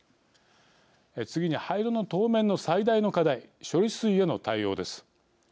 次に廃炉の当面の最大の課題処理水への対応です。